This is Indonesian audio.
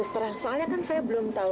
soal soalnya kan saya belum tahu